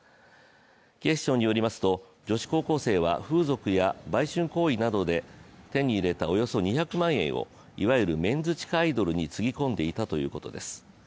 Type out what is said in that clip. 警視庁によりますと、女子高校生は風俗や売春行為などで手に入れたおよそ２００万円をいわゆるメンズ地下アイドルにつぎ込んでいたということです。